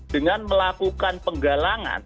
dengan melakukan penggalangan